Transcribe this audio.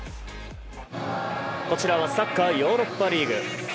こちらはサッカーヨーロッパリーグ。